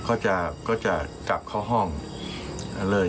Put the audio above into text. อ่าก็จะกลับเข้าห้องอ่ะเลย